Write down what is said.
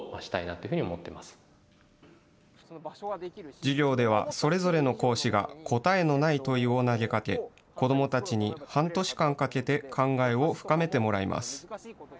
授業ではそれぞれの講師が答えのない問いを投げかけ子どもたちに半年間かけて考えを深めてもらいます。